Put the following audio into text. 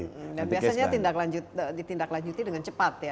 dan biasanya ditindaklanjuti dengan cepat ya